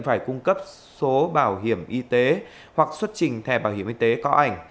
phải cung cấp số bảo hiểm y tế hoặc xuất trình thẻ bảo hiểm y tế có ảnh